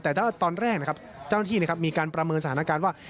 แต่ตอนแรกเจ้าหน้าที่มีการประเมินสถานการณ์ว่า